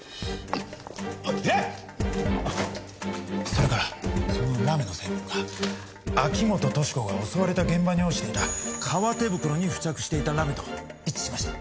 それからそのラメの成分が秋本敏子が襲われた現場に落ちていた革手袋に付着していたラメと一致しました。